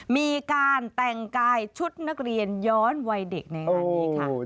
มีการแต่งกายชุดนักเรียนย้อนวัยเด็กในงานนี้ค่ะ